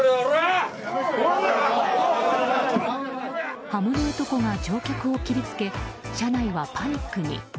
刃物男が乗客を切り付け車内はパニックに。